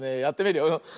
やってみるよ。